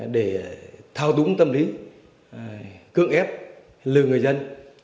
để thao túng tâm lý cưỡng ép lừa người dân